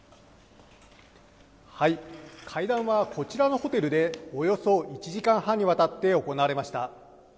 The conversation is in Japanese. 会談は、こちらのホテルでおよそ１時間半にわたって行われました。